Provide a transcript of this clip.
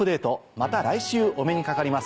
また来週お目にかかります。